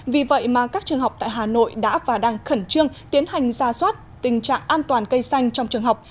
vì vậy mà các trường học tại hà nội đã và đang khẩn trương tiến hành ra soát tình trạng an toàn cây xanh trong trường học